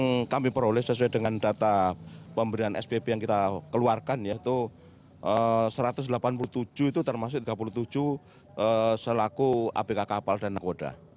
yang kami peroleh sesuai dengan data pemberian sbp yang kita keluarkan yaitu satu ratus delapan puluh tujuh itu termasuk tiga puluh tujuh selaku abk kapal dan nakoda